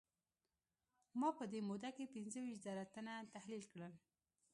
ما په دې موده کې پينځه ويشت زره تنه تحليل کړل.